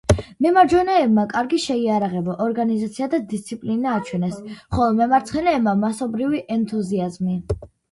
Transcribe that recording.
მემარჯვენეებმა კარგი შეიარაღება, ორგანიზაცია და დისციპლინა აჩვენეს, ხოლო მემარცხენეებმა მასობრივი ენთუზიაზმი.